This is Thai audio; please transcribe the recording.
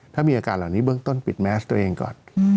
ถ้ามีอาการเหล่านี้เบื้องต้นปิดแมสตัวเองก่อน